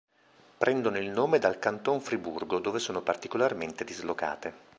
Prendono il nome dal Canton Friburgo dove sono particolarmente dislocate.